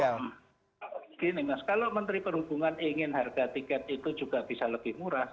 begini mas kalau menteri perhubungan ingin harga tiket itu juga bisa lebih murah